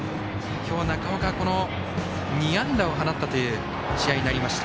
今日、中尾が２安打を放ったという試合になりました。